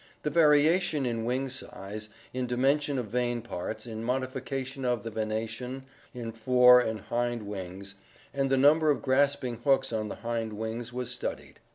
the variation in wing size, in dimensions of vein parts, in modification of the vena tion ... in fore and hind wings, and the number of grasping hooks on the hind wings was studied.